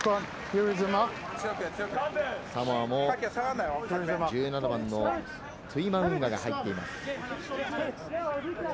サモアも１７番のトゥイマウンガが入っています。